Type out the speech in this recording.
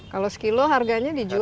kalau sekilo harganya dijual